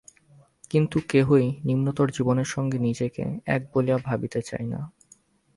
কিন্তু কেহই নিম্নতর জীবনের সঙ্গে নিজেকে এক বলিয়া ভাবিতে চায় না।